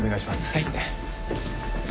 はい。